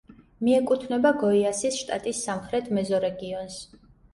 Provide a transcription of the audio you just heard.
მიეკუთვნება გოიასის შტატის სამხრეთ მეზორეგიონს.